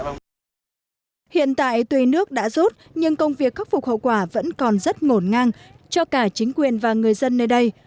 hiện tại tùy nước đã rút nhưng công việc khắc phục hậu quả vẫn còn rất ngổn ngang cho cả chính quyền và người dân nơi đây